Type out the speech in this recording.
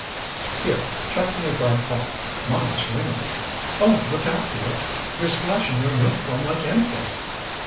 "Here, chuck me a dry cloth! Mine's wringing." "Oh, look out, dear! You're splashing your uniform like anything."